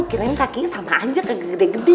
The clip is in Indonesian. kira ini kakinya sama aja gak gede gede